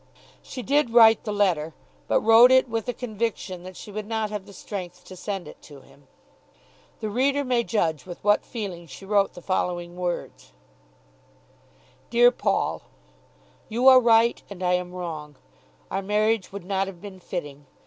She did write the letter, but wrote it with a conviction that she would not have the strength to send it to him. The reader may judge with what feeling she wrote the following words: DEAR PAUL, You are right and I am wrong. Our marriage would not have been fitting.